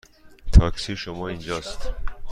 تاکسی شما اینجا است.